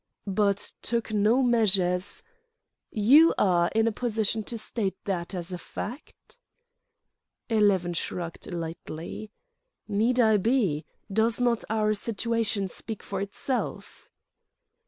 "But took no measures—" "You are in a position to state that as a fact?" Eleven shrugged lightly. "Need I be? Does not our situation speak for itself?"